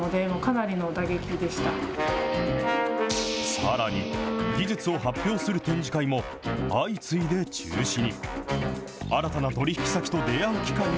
さらに、技術を発表する展示会も、相次いで中止に。